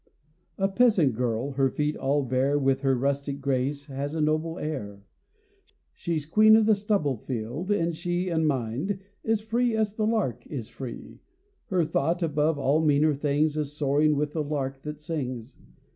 The peasant girl, her feet all bare, With her rustic grace, has a noble air. She's queen of the stubble field and she, In mind, is free as the lark is free. Her thought, above all meaner things, Is soaring with the lark that sings.